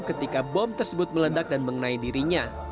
ketika bom tersebut meledak dan mengenai dirinya